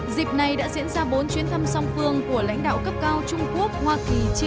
hãy đăng ký kênh để ủng hộ kênh của chúng mình nhé